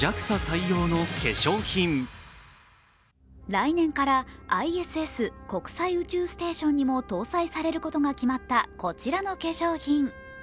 来年からＩＳＳ＝国際宇宙ステーションにも搭載されることが決まったこちらの化粧品。